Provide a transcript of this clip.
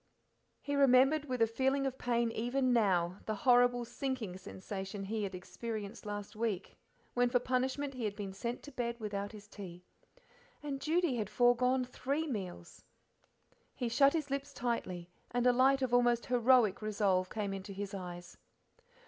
He remembered, with a feeling of pain even now, the horrible sinking sensation he had experienced last week when for punishment he had been sent to bed without his tea. And Judy had forgone three meals! He shut his lips tightly, and a light of almost heroic resolve came into his eyes.